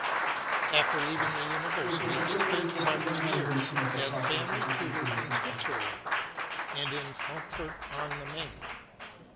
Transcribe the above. After leaving the University he spent seven years as family tutor in Switzerland and in Frankfurt on the Main.